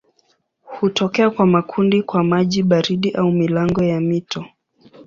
Hutokea kwa makundi kwa maji baridi au milango ya mito.